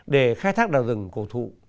để khai thác đào rừng cầu thụ